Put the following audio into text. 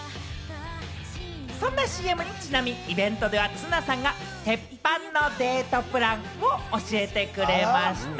そんなＣＭにちなみ、イベントでは綱さんが鉄板のデートプランを教えてくれました。